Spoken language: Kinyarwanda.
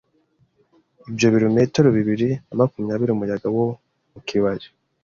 Ibyo birometero bibiri na makumyabiri umuyaga wo mu kibaya